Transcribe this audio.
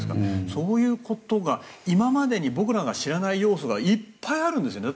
そういうことが今までに僕らが知らない要素がいっぱいあるんですよね。